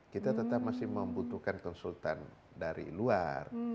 kita tetap masih membutuhkan konsultan dari luar